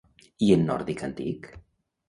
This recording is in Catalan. I en nòrdic antic?